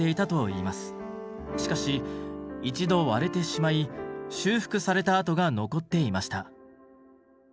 しかし一度割れてしまい修復された跡が残っていました。